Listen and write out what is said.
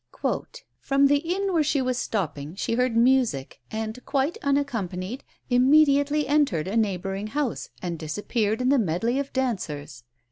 "From the inn where she was stopping she heard music, and, quite unaccompanied, immediately entered a neighbouring house and disappeared in the medley of dancers."